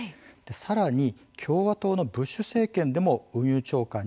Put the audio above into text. さらに共和党のブッシュ政権でも運輸長官に就任します。